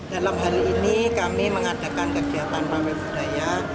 dalam hal ini kami mengadakan kegiatan pawai budaya